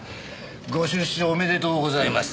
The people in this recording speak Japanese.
ご出所おめでとうございます。